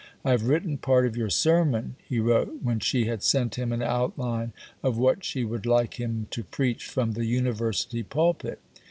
"I have written part of your sermon," he wrote, when she had sent him an outline of what she would like him to preach from the University pulpit.